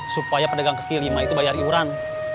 supaya perdagang ke lima itu bayar iuran